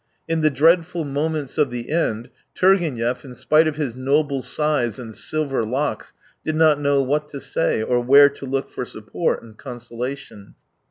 In the dreadful moments of the end, Turgenev, in spite of his noble size and silver locks, did not know what to say or where to look for support and consolation.